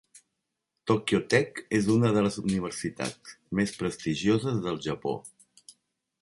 Tokyo Tech és una de les universitats més prestigioses del Japó.